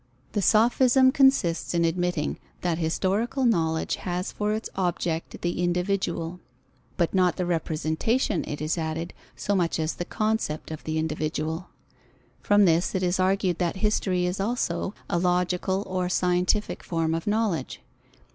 The sophism consists in admitting that historical knowledge has for its object the individual; but not the representation, it is added, so much as the concept of the individual. From this it is argued that history is also a logical or scientific form of knowledge.